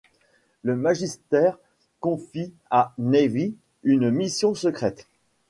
Le Magister confie à Nävis une mission secrète.